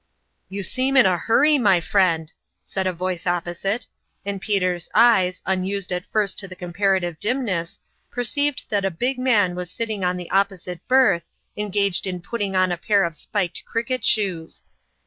" You seem in a hurry, my friend !" said a voice opposite; and Peter's eyes, unused at first to the comparative dimness, perceived that a big man was sitting on the opposite berth, engaged in putting on a pair of spiked cricket shoes.